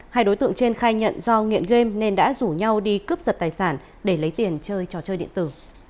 hai đối tượng trên khai nhận do nghiện game nên đã rủ nhau đi cướp giật tài sản để lấy tiền chơi trò chơi điện tử